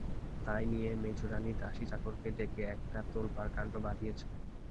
তাই নিয়ে মেজোরানী দাসী-চাকরকে ডেকে একটা তোলপাড় কাণ্ড বাধিয়েছেন।